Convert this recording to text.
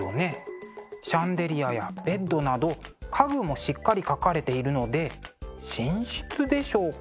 シャンデリアやベッドなど家具もしっかり描かれているので寝室でしょうか。